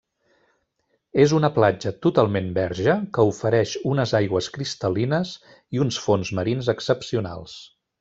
És una platja totalment verge que ofereix unes aigües cristal·lines i uns fons marins excepcionals.